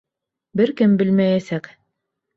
Бер кем белмәйәсәк.